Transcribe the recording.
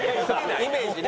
イメージね。